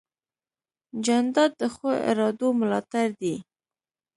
جانداد د ښو ارادو ملاتړ دی.